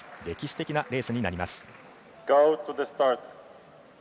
歴史的なレースになります。